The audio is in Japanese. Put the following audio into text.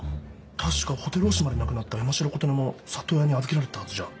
確かホテルオシマで亡くなった山城琴音も里親に預けられてたはずじゃ。